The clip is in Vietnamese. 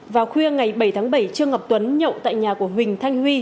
vào khuya ngày bảy tháng bảy trương ngọc tuấn nhậu tại nhà của huỳnh thanh huy